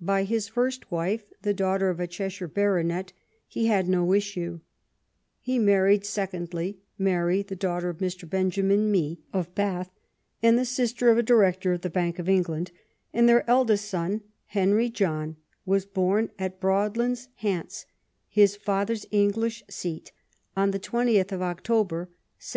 By his first wife, the daughter of a Cheshire baronet, he had no issue; he married secondly, Mary, the daughter of Mr. Benjamin Mee, of Bath,* and the sister of a director of the Bank of England ; and their eldest son Henry John was born at Broadlands, Hants, his father s English seat, on the 20th of October 1784.